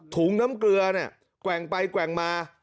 ถุงน้ำเกลือเนี่ยแกว่งไปแกว่งมา